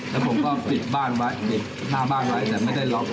แล้วผมก็ปิดหน้าบ้านไว้แต่ไม่ได้ล็อก